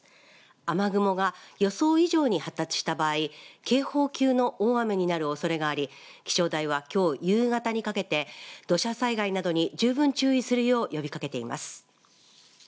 雨雲が予想以上に発達した場合警報級の大雨になるおそれがあり気象台はきょう夕方にかけて土砂災害などに十分注意するよう呼びかけています。